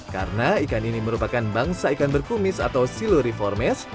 karena ikan ini merupakan bangsa ikan berkumis atau siluriformes